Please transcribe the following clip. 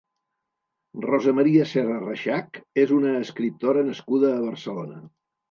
Rosa Maria Serra Reixach és una escriptora nascuda a Barcelona.